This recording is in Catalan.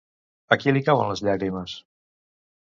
A qui li cauen les llàgrimes?